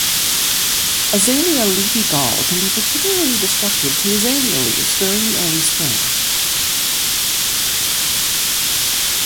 Azalea leafy gall can be particularly destructive to azalea leaves during the early spring.